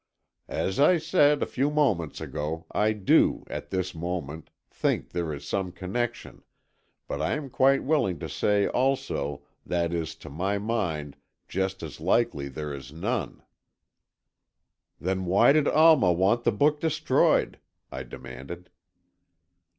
"As I said, a few moments ago, I do, at this moment, think there is some connection, but I am quite willing to say, also, that it is, to my mind, just as likely there is none." "Then why did Alma want the book destroyed?" I demanded.